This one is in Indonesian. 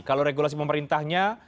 kalau regulasi pemerintahnya